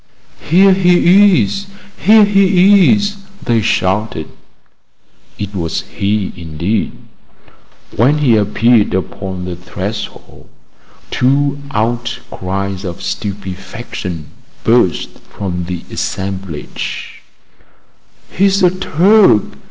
"Here he is! here he is!" they shouted. It was he indeed. When he appeared upon the threshold, two outcries of stupefaction burst from the assemblage: "He's a Turk!"